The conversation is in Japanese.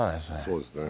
そうですね。